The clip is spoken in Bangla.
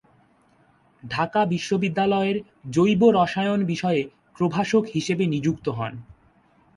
ঢাকা বিশ্ববিদ্যালয়ের জৈব রসায়ন বিষয়ে প্রভাষক হিসেবে নিযুক্ত হন।